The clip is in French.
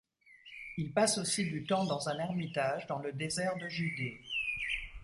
Il passe aussi du temps dans un ermitage dans le désert de Judée.